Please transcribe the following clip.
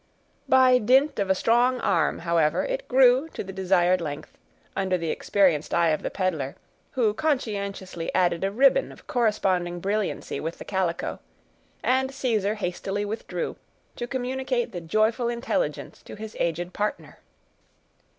By dint of a strong arm, however, it grew to the desired length, under the experienced eye of the peddler, who conscientiously added a ribbon of corresponding brilliancy with the calico; and Caesar hastily withdrew, to communicate the joyful intelligence to his aged partner.